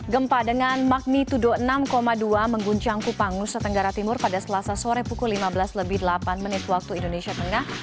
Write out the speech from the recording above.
gempa dengan magnitudo enam dua mengguncang kupang nusa tenggara timur pada selasa sore pukul lima belas lebih delapan menit waktu indonesia tengah